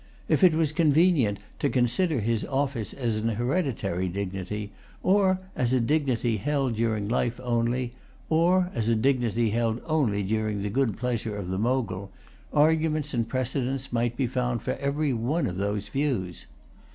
If it was convenient to consider his office as an hereditary dignity, or as a dignity held during life only, or as a dignity held only during the good pleasure of the Mogul, arguments and precedents might be found for every one of those views.